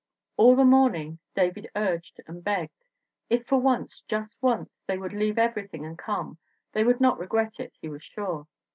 All the morning David urged and begged. If for once, just once, they would leave everything and come, they would not regret it, he was sure.